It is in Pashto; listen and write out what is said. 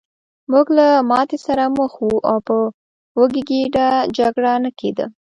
موږ له ماتې سره مخ وو او په وږې ګېډه جګړه نه کېده